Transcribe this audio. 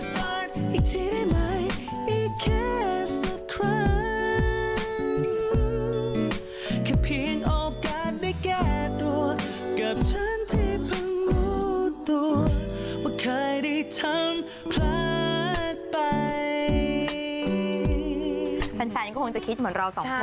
แฟนก็คงจะคิดเหมือนเราสองคน